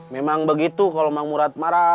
memang begitu kalau bang murad marah